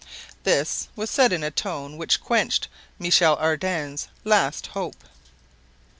This was said in a tone which quenched Michel Ardan's last hope.